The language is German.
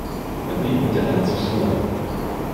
Er blieb mit der Ansicht allein.